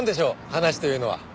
話というのは。